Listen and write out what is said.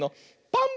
「パン」。